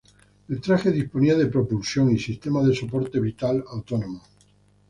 El traje disponía de propulsión y sistema de soporte vital autónomos.